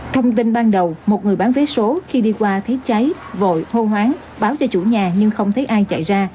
thông tin ban đầu một người bán vé số khi đi qua thấy cháy vội hô hoáng báo cho chủ nhà nhưng không thấy ai chạy ra